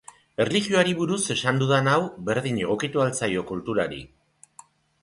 Erlijioari buruz esan dudan hau berdin egokitu ahal zaio kulturari.